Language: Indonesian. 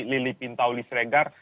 lili pintauli sregar